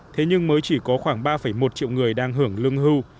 thế nhưng mới chỉ có khoảng ba một triệu người đang hưởng lương hưu